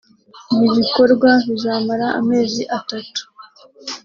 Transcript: Ibi bikorwa bizamara amezi atatu